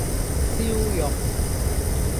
燒肉